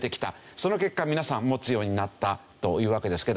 その結果皆さん持つようになったというわけですけど。